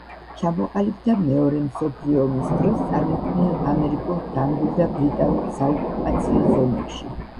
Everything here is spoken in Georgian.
ჩამოყალიბდა მეორე მსოფლიო ომის დროს წარმოქმნილ ამერიკულ, ფრანგულ და ბრიტანულ საოკუპაციო ზონებში.